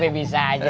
bang muhyiddin tau